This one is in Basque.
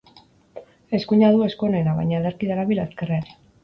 Eskuina du esku onena, baina ederki darabil ezkerra ere.